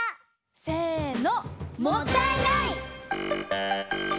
せの。